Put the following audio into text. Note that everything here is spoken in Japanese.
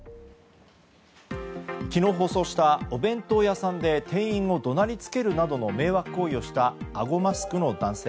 昨日放送したお弁当屋さんで店員を怒鳴りつけるなどの迷惑行為をしたあごマスクの男性。